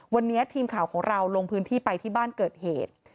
วันนี้ทีมข่าวของเราลงพื้นที่ไปที่บ้านเกิดเหตุ